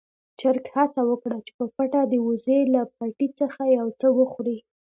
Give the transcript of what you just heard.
چرګ هڅه وکړه چې په پټه د وزې له پټي څخه يو څه وخوري.